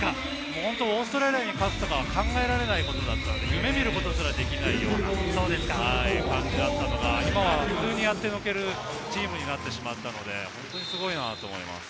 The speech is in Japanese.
オーストラリアに勝つとか考えられないことだったので、夢見ることすらできないことだったので、今は普通にやってのけるチームになってしまったので、本当にすごいなと思います。